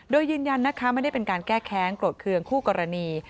โดยยืนยันนะคะไม่ได้เป็นการแก้แค้นโกรธเคืองคู่กรณี